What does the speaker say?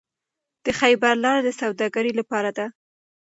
د خیبر لاره د سوداګرۍ لپاره ده.